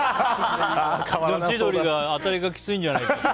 千鳥が当たりがきついんじゃないかって。